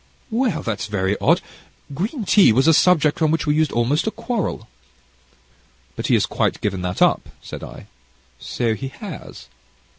"Well, that's very odd! Green tea was a subject on which we used almost to quarrel." "But he has quite given that up," said I. "So he has."